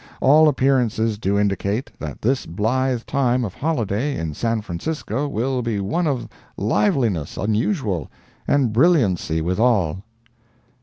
All appearances do indicate That this blithe time of holiday In San Francisco will Be one of liveliness unusual, and brilliancy withal!"